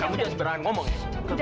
kamu jangan ngomong ya